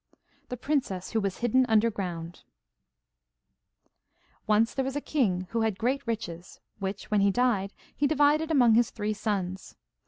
THE PRINCESS WHO WAS HIDDEN UNDERGROUND Once there was a king who had great riches, which, when he died, he divided among his three sons.